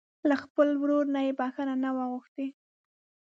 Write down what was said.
له خپل ورور نه يې بښته نه وي غوښتې.